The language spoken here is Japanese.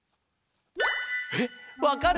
えっわかる？